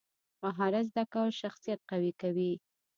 مهارت زده کول شخصیت قوي کوي.